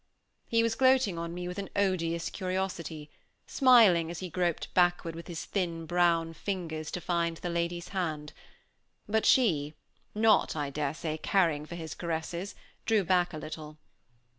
He was gloating on me with an odious curiosity, smiling, as he groped backward with his thin brown fingers to find the lady's hand; but she, not (I dare say) caring for his caresses, drew back a little.